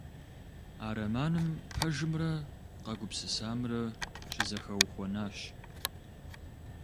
А романым пэжымрэ къэгупсысамрэ щызэхэухуэнащ.